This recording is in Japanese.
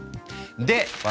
で私